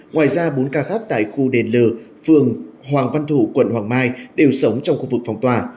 ngoài ra bốn ca khác tại khu đền l phường hoàng văn thủ quận hoàng mai đều sống trong khu vực phòng tòa